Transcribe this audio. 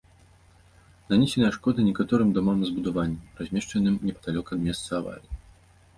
Нанесеная шкода некаторым дамам і збудаванням, размешчаным непадалёк ад месца аварыі.